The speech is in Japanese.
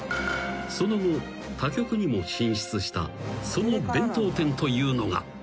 ［その後他局にも進出したその弁当店というのが］